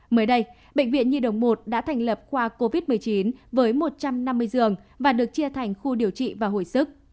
mới đây bệnh viện nhi đồng một đã thành lập khoa covid một mươi chín với một trăm năm mươi giường và được chia thành khu điều trị và hồi sức